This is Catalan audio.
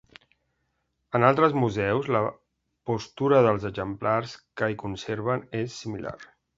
En altres museus, la postura dels exemplars que hi conserven és similar.